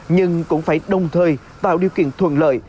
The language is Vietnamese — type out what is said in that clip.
nhưng cũng phải đồng thời tạo điều kiện thuận lợi